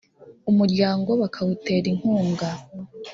umuryango bakawutera inkunga